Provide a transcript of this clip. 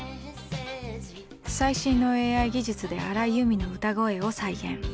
最新のＡＩ技術で荒井由実の歌声を再現。